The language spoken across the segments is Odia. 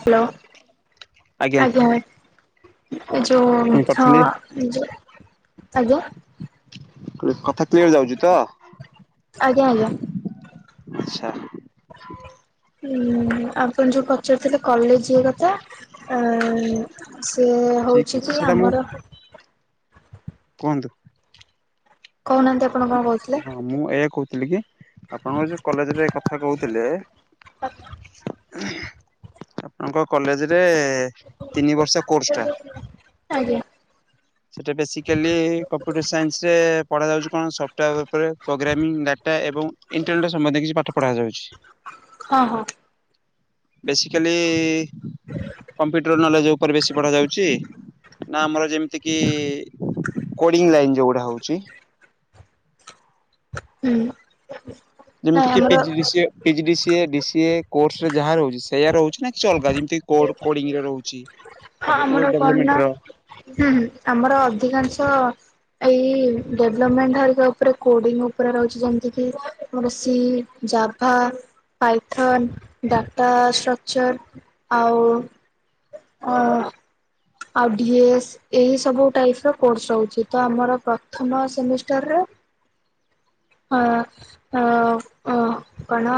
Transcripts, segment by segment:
ହାଲୋ। ଆଜ୍ଞା ଏ ଯୋଉ ହଁ ଶୁଣିପାରୁଛନ୍ତି ଜ-ଆଜ୍ଞା ରେ କଥା କ୍ଲିୟର୍ ଯାଉଚି ତ? ଆଜ୍ଞା ଆଚ୍ଛା। [inaudible] ଉଁ, ଆପଣ ଯୋଉ ପଚାରୁଥିଲେ କଲେଜେ କଥା ଅ, ସେ ଠିକ ହଉଛି ଅଛି କି ସେଇଟା ମୁଁ ଆମର କୁହନ୍ତୁ। କହୁନାହାନ୍ତି ଆ ହଁ ମୁଁ ଏଇଆ କହୁଥିଲି କି ଆପଣଙ୍କ ଯୋଉ କଲେଜ୍ ରେ କଥା କହୁଥିଲେ [inaudible] ଆପଣଙ୍କ କଲେଜ୍ ରେ ତିନି ବର୍ଷ କୋର୍ସ ଟା? ଆଜ୍ଞା। ସେଟା ବେସିକାଲି କମ୍ପ୍ୟୁଟର ସାଇନ୍ସ ରେ ପଢ଼ାଯାଉଛି କଣ ସଫ୍ଟୱାୟାର ଉପରେ ପ୍ରୋଗ୍ରାମିଙ୍ଗ ଡା ସେଟା ଏବଂ ଇଣ୍ଟରନେଟ ସମ୍ବନ୍ଧିୟ କିଛି ପାଠ ପଢ଼ା ଯାଉଛି। ହଁ ହଁ। ବେସିକାଲି କମ୍ପ୍ୟୁଟର ନଲେ ଜୋ ଉପରେ ବେଶୀ ପଢା ଯାଉଛି ନା ଆମର ଯେମ ତିକି କୋଡିଙ୍ଗ ଲାଇନ୍ ଯୋଉଗୁଡା ହଉଛି। ହୁଁ। ନାଇଁ ଯେମିତି କି ଆମର PG D CA PG D CA DCA course ରେ ଯାହା ରହୁଛି ସେଇୟା ରହୁଛି। ନାଁ କିଛି ଅଲଗା ଯେମିତି କୋଡ କୋଡିଙ୍ଗ ରେ ରହୁଛି ହଁ ତାପରେ ଆମର ୱେ କଣ ନା ଡେଭଲମେଣ୍ଟ ର। ହୁଁ ହୁଁ ଆମର ଅଧିକାଂଶ? ଏଇ ଡେଭଲମେଣ୍ଟହରିକା ଉପରେ କୋଡିଙ୍ଗ ଉପରେ ରହୁଛି ଯେମିତି କି ବେସି ଜା ଭା ଆଇଥ୍ରନ ଡାଟା ଷ୍ଟ ଚର ଆଉ ଅ ଆଉ ଢି ଏ ଏସ୍ ଏହି ସବୁ ଟାଇପ୍ ର କୋର୍ସ ରହୁଛି ତ ଆମର ପ୍ରଥମ ସେମିଷ୍ଟରରେ ହଁ ହଁ ହଁ କଣ?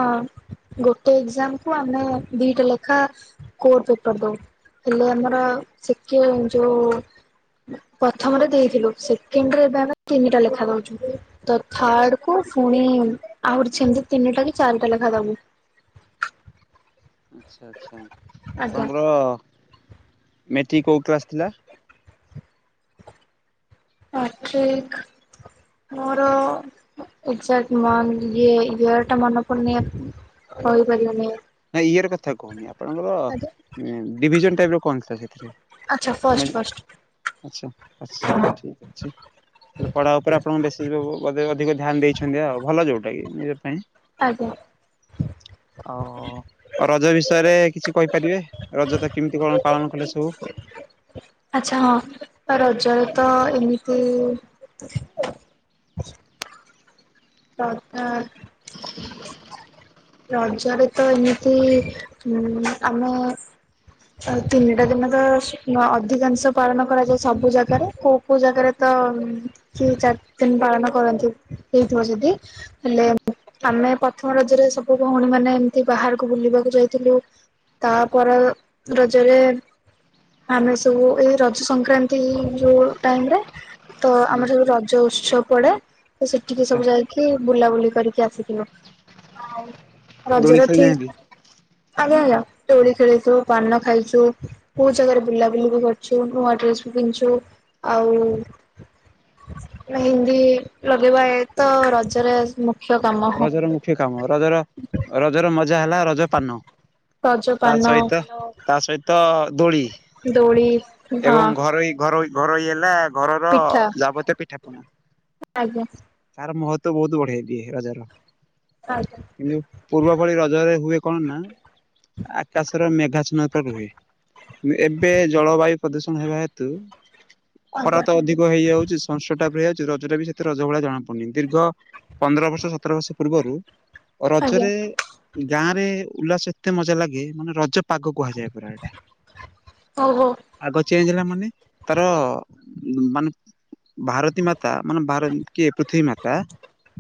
ଗୋଟେ ଏଜ୍ଜାମକୁ ଆମେ ଦିଟା ଲେଖା କୋର ପେପର ଦଉ ହେଲେ ଆମର ସିକେ ଯୋଉ ପ୍ରଥମରେ ଦେଇଥିଲୁ ସେକେଣ୍ଡରେ ଏବେ ଆମେ ତିନିଟା ଲେଖା ଦଉଛୁ ତ ଥାର୍ଡ ଆଚ୍ଛା କୁ ପୁଣି ଆହୁରି ଛେମିତି ତିନିଟା କି ଚାରିଟା ଲେଖା ଦବୁ। ଆଚ୍ଛା ଆଚ୍ଛା ଆଜ୍ଞା। ଆପଣଙ୍କର ମେଟ୍ରିକ୍ କୋଉ କ୍ଲାସ୍ ଥିଲା? ମାଟ୍ରିକ୍ ମୋର ଏଜ୍ଜାର୍ଟ ମନ୍ଥ ଇଏ ଇୟର ଟା ମନେ ପଡୁନି କହିପାରିବିନି। ନାଇଁ ଇଅର ର କଥା କହୁନି ଆପଣଙ୍କର ଆଜ୍ଞା ଡିଭି ଜନ୍ ଟାଇପ୍ ର କଣ ଥିଲା ସେ ଥିରେ ଆଚ୍ଛା ଫଷ୍ଟ ଆମେ ଫଷ୍ଟ ଆଚ୍ଛା ଆଚ୍ଛ ଠିକ୍ ଅଛି। ତାଲେ ପଢା ଉପରେ ଆପଣଙ୍କୁ ବେଶୀ ଯଉ ଅଧିକ ଧ୍ୟାନ ଦେଇଛନ୍ତି ଆଉ ଭଲ ଯୋଉଟା କି ନିଜ ପାଇଁ। ଆଜ୍ଞା ଓହୋ। ଆଉ ରଜ ବିଷୟରେ କିଛି କହିପାରିବେ ରଜ ତ କେମିତି କଣ ପାଳନ କଲେ ସବୁ? ଆଚ୍ଛା ହଁ ରଜରେ ତ ଏମିତି। [inaudible] [unintelligible] ରଜରେ ତ ଏମିତି ଉଁ ଆମେ। ଆଉ ତିନିଟା ଦିନ ତ ସ ଅଧିକାଂଶ ପାଳନ କରାଯାଏ। ସବୁ ଜାଗାରେ କୋ ଏଇ ଜାଗାରେ ତ କି ଚାରି ଦିନି ପାଳନ କରନ୍ତି ହେଇଥିବ ଯଦି। ହେଲେ ଆମେ ପ୍ରଥମ ରଜରେ ସବୁ, ଭଉଣୀ, ମାନେ ଏମିତି ବାହାରକୁ ବୁଲିବାକୁ ଯାଇଥିଲୁ। ତାପର ରଜରେ ଆମେ ସବୁ ଏଇ ରଜ ସଂକ୍ରାନ୍ତି ଯୋଉ ଟାଇମ୍ ରେ। ତ ଆମର ସବୁ ରଜ ଉତ୍ସ ପଡେ। ତ ସେଠିକି ଆଚ୍ଛା ସବୁ ଯାଇକି ବୁଲାବୁଲି କରିକି ଆସିଥିଲୁ। ଦୋଳି ରଜରେ ଖେଳି ଠି ନାହାନ୍ତି ଆଲୋ ଆଲୋ ଦୋଳି ଖେଳିଲୁ। ପାନ ଖାଇଛୁ ବହୁ ଜାଗାରେ ବୁଲାବୁଲି ବି କରୁଛୁ ନୂଆ ଡ୍ରେସ୍ ବି କିିନ୍ଧିଛୁ। ଆଉ ମେହେନ୍ଦି ଲଗେଇବା ଏ ତ ରଜରେ ମୁଖ୍ୟ କାମ ହ। ଖ୍ୟ କାମ ରଜର ରଜର ମଜା ହେଲା ରଜ ପାନ ରଜ ତା ପାନ ସହିତ ତା ସହିତ ଦୋଳି ଦୋଳି ହଁ ଏବଂ ଘରୋଇ ଘରୋଇ ଘରୋଇ ହେଲା ଘରର ପିଠା ଯାବତୀୟ ପିଠାପଣା। ଆଜ୍ଞା। ତାର ମହତ୍ଵ ବହୁତ୍ ବଢେଇ ଦିଏ ରଜ ର। ଆଜ୍ଞା। କିନ୍ତୁ ପୂର୍ବ ଭଳି ରଜରେ ହୁଏ କଣ ନା ଆକାଶର ମେଘା ଛର୍ଣ୍ଣ ତ ରୁହେ। ଏବେ ଜଳବାୟୁ ପ୍ରଦୂଷଣ ହେବା ହେତୁ ଖରା ଆଜ୍ଞା ତ ଅଧି କ ହେଇଯାଉଛି [unintelligible] ଯାଉଛି ରଜ ଟା ବି ସେତ ରଜ ଭଳିଆ ଜଣାପଡ଼ୁନି ଦୀର୍ଘ ପନ୍ଦର ବର୍ଷ ସତର ବର୍ଷ ପୂର୍ବରୁ ଆଜ୍ଞା ରଜରେ ଗାଁ ରେ ଉଲ୍ଲାସ ଏତେ ମଜା ଲାଗେ ମାନେ ରଜ ପାଗ କୁହାଯାଏ ପରା ଏଟା। ହଉ ହଉ ଆଗ ଚେଞ୍ଜ ହେଲା ମାନେ ତାର ମାନେ ଭାରତୀ ମାତା ମାନେ ଭାର କିଏ ପୃଥିବୀ ମାତା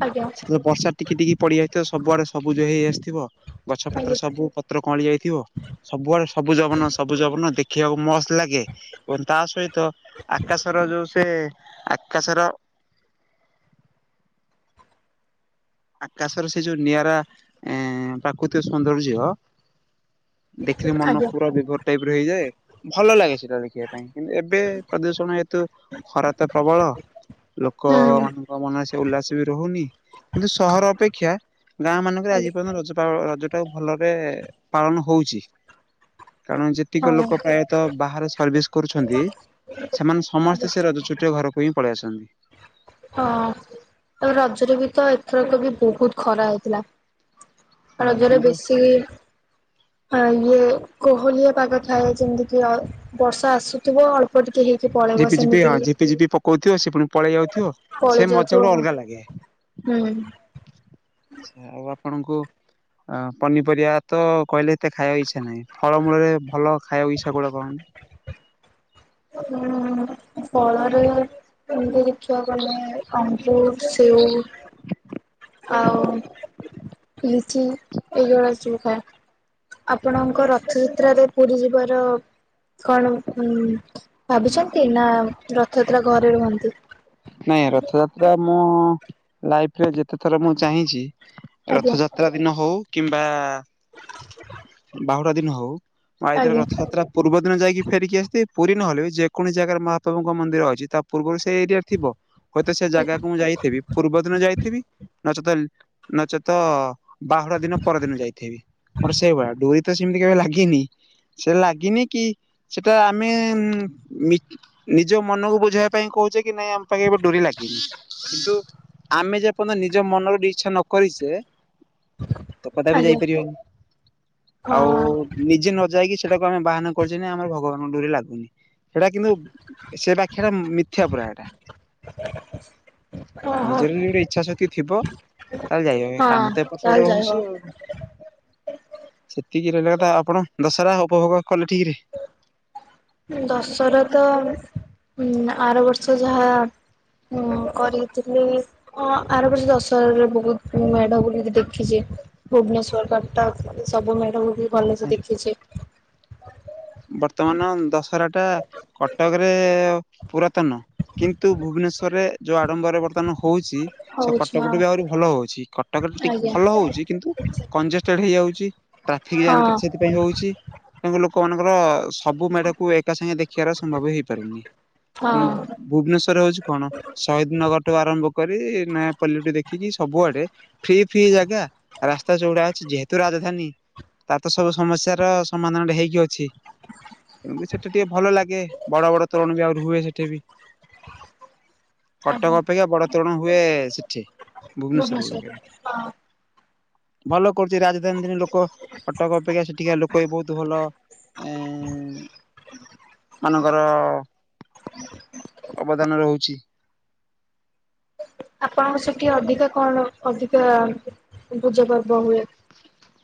ଆଜ୍ଞା ସେ ବର୍ଷା ଟିକେ ଟିକେ ପଡିଯାଇଛି। ତ ସବୁଆଡେ ସବୁଜ ହେଇ ଆସିଥିବ ଗଛ ପତ୍ର ଆଜ୍ଞା ସବୁ ପତ୍ର କଅଁଳି ଯାଇଥିବ। ସବୁଆଡେ ସବୁ ଯବନ ସବୁ ଯବନ ଦେଖିବାକୁ ମସ୍ତ ଲାଗେ। ଏବଂ ତା ସହିତ ଆକାଶର ଯୋଉ ସେ ଆକାଶର ଆକାଶରେ ସେ ଯୋଉ ନିଆରା ପ୍ରାକୃତିକ ସୌନ୍ଦର୍ଯ୍ୟ ଦେଖିଲେ ମନ ଆଜ୍ଞା ହୁଁ ପୁରା ବିଭର ଟାଇପରେ ହେଇଯାଏ। ଭଲ ଲାଗେ ସେଟା ଦେଖିବା ପାଇଁ କିନ୍ତୁ ଏ ଏବେ ପ୍ରଦୂଷଣ ହେତୁ ଖରା ତ ପ୍ରବଳ ଲୋକ ମ କ ମନ ସେ ଉଲ୍ଲାସ ବି ରହୁନି। କିନ୍ତୁ ସହର ଅପେକ୍ଷା ଗାଁ ମାନଙ୍କରେ ଆଜି ପର୍ଯ୍ୟନ୍ତ ରଜ ପାଳ ରଜ ଟା ଭଲରେ ପାଳନ ହଉଛି କାରଣ ଯେ ହଁ ଆଜ୍ଞା ଲୋକ ହଁ ପ୍ରାୟତଃ ବାହାରେ ସର୍ଭିସ କରୁଛନ୍ତି। ସେମାନେ ସମସ୍ତେ ସେ ରଜ ଛୁଟି ରେ ଘର କୁ ହିଁ ପଳାଇ ଆସନ୍ତି। ହଁ ଆଉ ରଜରେ ବି ତ ଏଥରକ ବି ବହୁତ ଖରା ହେଇଥିଲା। ହଁ ରଜରେ କିନ୍ତୁ ବେଶୀ ଆ ଇଏ କୋହଲିଆ ପାଗ ଥାଏ ଯେମିତି କି ବର୍ଷା ଆସୁଥିବ ଅଳ୍ପ ଟିକେ ହେଇକି ପଳେଇ ସେମିତି କହୁଥିବ ସେ ପୁଣି ପଳେଇ ଯାଉଥିବ ସେ ପଳେଇ ମଜା ଯାଉଥିବ ଗୋଟେ ହଁ ଅଲଗା ଲାଗେ। ହୁଁ। ଆଚ୍ଛା ଆଉ ଆପଣଙ୍କୁ ଅ ପନିପରିବା ତ କହିଲେ ଏତେ ଖାଇବାକୁ ଇଚ୍ଛା ନାହିଁ ଫଳ ମୂଳରେ ଭଲ ଖାଇବା ଇଚ୍ଛା କୋଉଟା? [unintelligible] ହୁଁ ଫଳରେ ଏମିତି ଦେଖିବା ବଲେ ଅଙ୍ଗୁର ସେଉ ଆଉ ଲିଚି ଏଇଗୁଡା ଯଉ ଖାଏ। ଆପଣଙ୍କ ରଥଯାତ୍ରାରେ ପୁରୀ ଯିବାର କଣ ଉ ଭାବୁଛନ୍ତି ନା ରଥଯାତ୍ରା ଘରେ ରୁହନ୍ତି? ନାଇଁ ରଥଯାତ୍ରା ମୁଁ ଲାଇଫରେ ଯେତେଥର ମୁଁ ଚାହିଁଛି ଆଜ୍ଞା ରଥଯାତ୍ରା ରତା ଦିନ ହଉ କିମ୍ବା ବାହୁଡ଼ା ଦିନ ହଉ ମ ଆଇଦରେ ଆଜ୍ଞା ରଥଯାତ୍ରା ପୂର୍ବଦିନ ଯାଇକି ଫେରିକି ଆସେ ପୁରୀ ନହେଲେ ଯେକୌଣସି ଜାଗାରେ ମହାପ୍ରଭୁଙ୍କ ମନ୍ଦିର ଅଛି ତା ପୂର୍ବରୁ ସେ ଏରିଆ ଥିବ ହୁଏତ ସେ ଜାଗାକୁ ମୁଁ ଯାଇଥିବି। ପୂର୍ବ ଦିନ ଯାଇଥିବି ନଚେତ ନଚେତ ବାହୁଡା ଦିନ ପରଦିନ ଯାଇଥିବି ମୋର ସେଇଭଳିଆ ଡୋରି ତ ସେମିତି କେବେ ଲାଗିନି। ସେ ଲାଗିନି କି ସେଟା ଆମେ ନିଜ ମନକୁ ବୁଝେଇବା ପାଇଁ କହୁଛେ କି ନାଇଁ ଆମ ପାଖେ ଏବେ ଡୁରି ଲାଗିନି କିନ୍ତୁ ଆମେ ଯେପର୍ଯ୍ୟନ୍ତ ନିଜ ମନରେ ଇଚ୍ଛା ନ କରିଛେ ତ କଦାପି ଆଜ୍ଞା ଯାଇପାରିବନି ଆଉ ହଁ ନିଜେ ନ ଯାଇକି ସେଟାକୁ ଆମେ ବାହାନା କରିୁଛେ ନା ଆମର ଭଗବାନଙ୍କ ଡରେ ଲାଗୁନି ସେଟା କିନ୍ତୁ ସେ ବାଖ୍ୟା ଟା ମିଥ୍ୟା ପୁରା ଓହୋ ନିଜର ଗୋଟେ ଇଚ୍ଛା ଶକ୍ତି ଥିବ। ତାହେଲେ ଯାଇ ହଁ କାମ ତ ଏପଟ ତାହେଲେ ସେଟ ଯାଇ ହବ ରହୁଛି ଆଉ। ସେତିକି ରହିଲ କଥା ଆପଣ ଦଶହରା ଉପଭୋଗ କଲେ ଠିକ ରେ। ଦଶର ତ ଆର ବର୍ଷ ଯାହା ହୁଁ କରିଥିଲି। ଅଁ ଆର ବଛ ଦଶହରରେ ବହୁତ ମେଢ ବୁଲ ଦେଖିଛି। ଭୁବନେଶ୍ଵର କଟକ ସବୁ ମେଢ ମୁ ବି ଭଲସେ ରେ? ଦେଖିଛେ। ବର୍ତ୍ତମାନ ଦଶରା ଟା କଟକରେ। ପୁରାତନ କିନ୍ତୁ ଭୁବନେଶ୍ୱର ରେ ଯୋଉ ଆଡ଼ମ୍ବରେ ବର୍ତ୍ତମାନ। ହଉଛି ସେ ହଉଛି କଟକ ଠୁ ହଁ ବି ଆହୁରି ଭଲ ହଉଛି କଟକ ରେ ଟିକେ ଆଜ୍ଞା ଭଲ ହଉଛି କିନ୍ତୁ। କଂଜେଷ୍ଟେଡ ହେଇ ଯାଉଛି ଟ୍ରାଫିକ ଜାମ ହଁ ସେଥିପାଇଁ ହଉଛି ତେଣୁ ଲୋ ଲୋକ ମାନଙ୍କର ସବୁ ମେଢ କୁ ଏକା ସାଙ୍ଗେ ଦେଖିବାର ସମ୍ଭବ ହେଇପାରୁନି କି ହଁ ଭୁବନେଶ୍ଵର ହଉଛି କଣ ଶହୀଦ ନଗରଠୁ ଆରମ୍ଭ କରି ନୟାପଲ୍ଲୀଠୁ ଦେଖିକି ସବୁଆଡେ। ଫ୍ରି ଫ୍ରି ଜାଗା ରାସ୍ତା ଚଉଡା ଅଛି ଯେହେତୁ ରାଜଧାନୀ। ତାର ତ ସବୁ ସମସ୍ୟାର ସମାଧାନ ଟେ ହେଇକି ଅ ଅଛି ତଣୁ କିରି ସେଠି ଟିକେ ଭଲ ଲାଗେ ବଡ ବଡ ତୋରଣ ବି ଆହୁରି ହୁଏ ସେଠି ବି। ଆଜ୍ଞା କଟକ ଅପେକ୍ଷା ବଡ ତୋରଣ ହୁଏ ସେଠି। ଭୁବନେଶ୍ୱର ଗୁଡାକରେ ଭୂବନେଶ୍ଵର ରେ ହଁ। ଭଲ କରୁଛି ରାଜଧାନୀ ଧୀନି ଲୋକ କଟକ ଅପେକ୍ଷା ସେଠିକା ଲୋକ ବି ବହୁତ ଭଲ। ଏଁ। ମାନଙ୍କର ଅବଦାନ ରହୁଛି। ଆପଣଙ୍କ ସେଠି ଅଧିକା କଣ ଅଧିକା ପୂଜା ପର୍ବ ହୁଏ।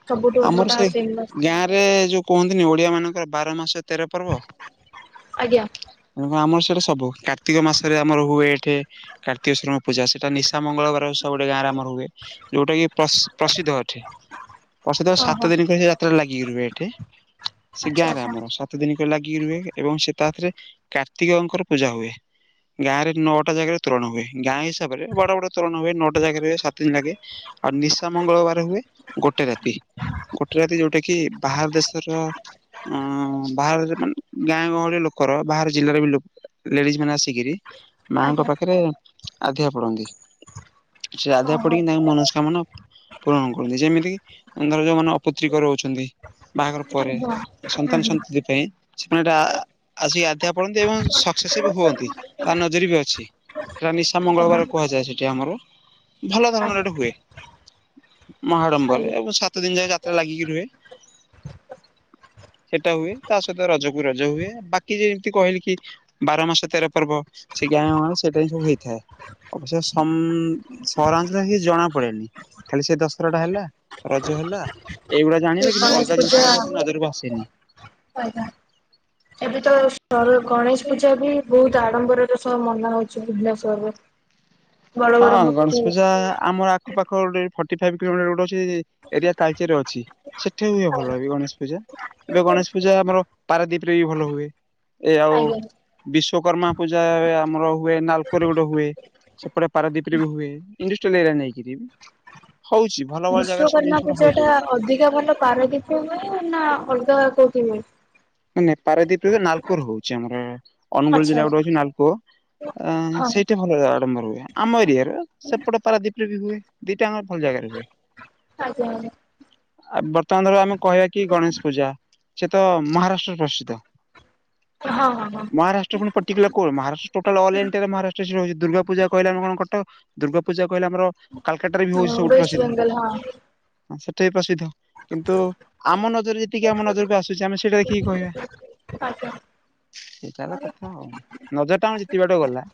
ସବୁଠୁ ଆମର ଯୋଉଟା ସେଇ ଫେମସ୍ ଗାଁ ରେ ଯୋଉ କୁହନ୍ତିନି ଓଡିଆ ମାନଙ୍କର ବାର ମାସ ତେର ପର୍ବ। ଆଜ୍ଞା। ହଁ ଆମର ସିଆଡେ ସବୁ କାର୍ତ୍ତିକ ମାସରେ ଆମର ହୁଏ ଏଠେ। କାର୍ତିକେଶ୍ଵର ଙ୍କ ପୂଜା ସେଟା ନିଶା ମଙ୍ଗଳବାର ଓଷା ଗୋଟେ ଗାଁରେ ଆମର ହୁଏ। ଯୋଉଟା କି ପ୍ରସ ପ୍ରସିଦ୍ଧ ଏଠେ। ପ୍ରସିଧ୍ୟ ଓହୋ ସାତ ଦିନ ପାଇଁ ସେ ଯାତ୍ରା ଲାଗିକି ରୁହେ ଏଠେ ସେ ଆଚ୍ଛା ଗାଁରେ ଆଚ୍ଛା ଆମର ସା ସାତ ଦିନି ଯାକ ଲାଗିକି ରୁହେ ଏବଂ ସେ ତା ଥେରେ କାର୍ତ୍ତିକ ଙ୍କର ପୂଜା ହୁଏ। ଗାଁରେ ନଅଟା ଜାଗାରେ ତୋରଣ ହୁଏ। ଗାଁ ହିସାବରେ ବଡ ବଡ ତୋରଣ ହୁଏ ନଅଟା ଜାଗାରେ ହୁଏ ସାତ ଦିନ ଲାଗେ। ଆଉ ନିଶା ମଙ୍ଗଳବାର ହୁଏ। ଗୋଟେ ରାତି ଗୋଟେ ରାତି ଯୋଉଟା କି ବାହାର ଦେଶର। ଉଁ ବାହାର ଯୋ ମାନେ ଗାଁ ଗହଳି ଲୋକର ବାହାର ଜିଲ୍ଲାରେ ବି ଲୋ ଲେଡିଜ ମାନେ ଆସିକିରି ମାଙ୍କ ଆଜ୍ଞା ପାଖରେ ଆଧିଆ ପଡନ୍ତି। ସେ ଆଧିଆ ଓହୋ ପଡିକି ତାଙ୍କ ମନସ୍କାମନା ପୂରଣ କରନ୍ତି ଯେମିତି କିି। ଅଁ ଧର ଯୋଉ ମାନ ଅପୁତ୍ରିକ ରହୁଛନ୍ତି ବାହାଘର ଆଜ୍ଞା ପରେ ହୁଁ ସନ୍ତାନ ହୁଁ। ସନ୍ତତି ପାଇଁ। ସେମାନେ ଏଇଟା ଆ ଆସିକି ଆଧିଆ ପଡନ୍ତି ଏବଂ ସକ୍ସେସ ବି ହୁଅନ୍ତି ତା ନଜରେ ବି ଅଛି। ସେଇଟା ନିଶା ମଙ୍ଗଳବାର ଆଜ୍ଞା କୁହାଯାଏ ସେଠି ଆମର ଭଲ ଧରଣରେ ଏଇଟେ ହୁଏ। ମହାଡମ୍ବରେ ଆଜ୍ଞା ଏବଂ ସାତ ଦିନ ଯାକ ଯାତ୍ରା ଲାଗିକି ରୁହେ। ସେଟା ହୁଏ ତା ସହିତ ରଜ କୁ ରଜ ହୁଏବାକି ଯେମିତି କହିଲି କି। ବାର ମାସେ ତେର ପର୍ବ ସେ ଗାଁ ସେଇଟା ହିଁ ସବୁ ହେଇଥାଏ। ଅବସ୍ୟ ସମ ସହରାଞ୍ଚଳ ରେ କିଛି ଜଣା ପଡେନି ଖାଲି ସେଇ ଦଶରା ଟା ହେଲା। ରଜ ହେଲା ଏଇଗୁଡା ଏ ଜାଣିବେ କିନ୍ତୁ ଗଣେଶ ଅଲଗା ପୂଜା ଜିନିଷ ଟାକୁ ଏତେ ନଜରକୁ ଆସେନି। ଆଜ୍ଞା। ଏବେ ତ ସର ଗଣେଶ ପୂଜା ବି ବହୁତ ଆଡମ୍ବରର ସହ ମନା ହଉଚି ଭୁବନେଶ୍ୱର ରେ। ହଁ ଗଣେଶ ପୂଜା ଆମର। ପାଖ ପାଖ ଗୋଟେ ଫର୍ଟି ଫାଇଭ୍ କିଲୋମିଟର ଗୋଟେ ଅଛି ଏରିଆ ତାଲଚେର ଅଛି। ସେଠେଇ ହୁଏ ଭଲ ବି ଗଣେଶ ପୂଜା ଏବେ ଗଣେଶ ପୂଜା ଆମର ପାରାଦୀପ ରେ ବି ଭଲ ହୁଏ। ଏ ଆଉ। ଆଜ୍ଞା ବିଶ୍ଵକର୍ମା ପୂଜା ଏ ଆମର ହୁଏ ନାଲକୋରେ ଗୋଟେ ହୁଏ ସେପଟେ। ପାରଦୀପ ରେ ବି ହୁଏ ଇଣ୍ଡଷ୍ଟ୍ରିଆଲ ଏରିଆ ନେଇକରି ବି ହଉଛି। ଭଲ ଭଲ ଜାଗାରେ ସବୁ ବିଶ୍ୱକର୍ମା ଜିନିଷ ଗୁଡା ପୂଜା ହଉଛି। ଟା ଅଧିକା ଭଲ ପାରାଦୀପ ରେ ହୁଏ ନା ଅଲଗା କୋଉଠି ହୁଏ? ମାନେ ପାରାଦ୍ୱୀପ ରେ ତ ନାଲକୋ ରହୁଛି ଆମର। ଅନୁଗୁଳ ଆଚ୍ଛା ଜିଲ୍ଲା ଗୋଟେ ଆଚ୍ଛା ଅଛି ନାଲକୋ ଅ ହଁ ସେଇଟା ଭଲରେ ଆଡମ୍ବର ହୁଏ, ଆମ ଏରିଆ ରେ ସେପଟ ପାରାଦୀପରେ ବି ହୁଏ ଦିଟା ଆମର ଭଲ ଜାଗାରେ ହୁଏ। ଆଜ୍ଞା ଆଜ୍ଞା। ଆ ବର୍ତ୍ତମାନ ଧର ଆମେ କହିବା କି ଗଣେଶ ପୂଜା ସେଏ ତ ମହାରାଷ୍ଟ୍ର ର ପ୍ରସିିଦ୍ଧ। ହଁ ହଁ ହଁ। ମହାରାଷ୍ଟ୍ର ପଟିକୁଲାର କଣ ମହାରାଷ୍ଟ୍ରୋଟାଲ ଅଲଣ୍ଆରେ ମହାରାଷ୍ଟ୍ର ରଛି ଦୁର୍ଗା ପଜା କହିଲା କଣ କଟକ ଦୁର୍ଗା ପୂଜା କହିଲେ ଆମର କାଲକାଟାରେ ବି ହଉଛି ସବୁଠୁ ୱେଷ୍ଟ ପ୍ରସିଦ୍ଧ। ବେଙ୍ଗଲ ହଁ ସେ ପ୍ରସିଦ୍ଧ କିନ୍ତୁ ଆମ ନଜରରେ ଯେତିକି ଆମ ନଜରକୁ ଆସୁଛି ଆମେ ସେଇଟା ଦେଖିକି କହିବା। ଆଜ୍ଞା। ସେଇଟା ହେଲା କଥା ଆଉ ନଜର ଟା ଆମ ଯେତିବାଟକୁ ଗଲା।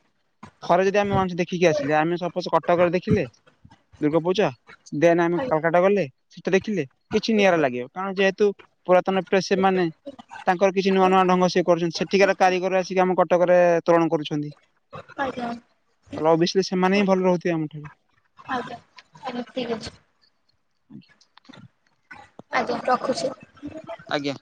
ଥରେ ଯଦି ଆମେ ୱାନ୍ସ ଦେଖିକି ଆସିଲେ ଆମେ ସପୋଜ କଟକରେ ଦେଖିଲେ ଦୁର୍ଗା ପୂଜା। ଦେନ ଆମେ ଆଜ୍ଞା କାଲକାଟା ଗଲେ। ସେଟା ଦେଖିଲେ କିଛି ନିଆରା ଲାଗିବ କାରଣ ଯେହେତୁ ପୁରାତନରେ ସେମାନେ। ତାଙ୍କର କିଛି ନୂଆ ନୂଆ ଢଙ୍ଗ ସିଏ କରୁଛନ୍ତି ସେଠିକାର କାରିଗର ଆସିକି ଆମ କଟକରେ ତୋରଣ କରୁଛନ୍ତି। ଆଜ୍ଞା। ତାହେଲେ ଅଭିଅସଲି ସେମାନେ ହିଁ ଭଲ ରହୁଥିବେ ଆମଠାରୁ। ଆଜ୍ଞା। ଆଜ୍ଞା ଠିକ ଅଛି। ଆଜ୍ଞା ରଖୁଛି। ଆଜ୍ଞା।